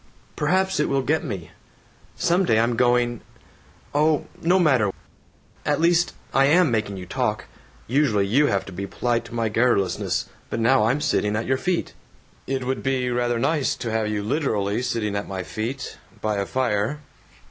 Perhaps it will get me. Some day I'm going Oh, no matter. At least, I am making you talk! Usually you have to be polite to my garrulousness, but now I'm sitting at your feet." "It would be rather nice to have you literally sitting at my feet, by a fire."